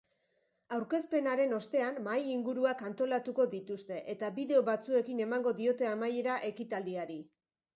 Aurkezpenaren ostean, mahai-inguruak antolatuko dituzte eta bideo batzuekin emango diote amaiera ekitaldiari.